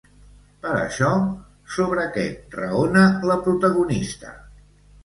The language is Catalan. Per això, sobre què raona la protagonista?